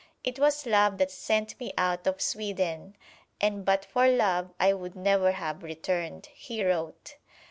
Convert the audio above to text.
"It was love that sent me out of Sweden, and but for love I would never have returned," he wrote.